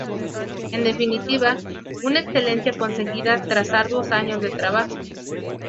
En definitiva, una excelencia conseguida tras arduos años de trabajo.